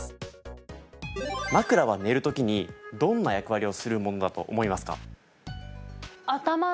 枕は寝る時にどんな役割をするものだと思いますか？